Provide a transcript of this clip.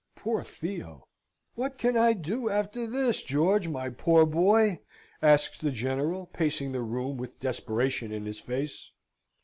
Poor Theo! "What can I do after this, George, my poor boy?" asks the General, pacing the room with desperation in his face.